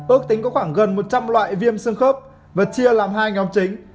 ước tính có khoảng gần một trăm linh loại viêm xương khớp và chia làm hai nhóm chính